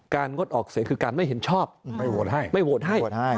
การงดออกเสียงคือการไม่เห็นชอบไม่โหวตให้